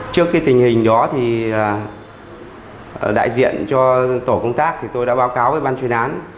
trước tình hình đó đại diện cho tổ công tác tôi đã báo cáo với ban chuyên án